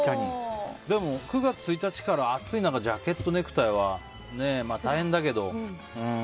でも９月１日から暑い中ジャケット、ネクタイは大変だけど。